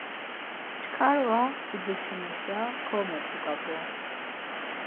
Çkar var iduşunuşa ko met̆suk̆ap̆u.